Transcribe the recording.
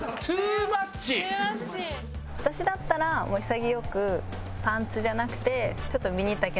私だったらもう潔くパンツじゃなくて。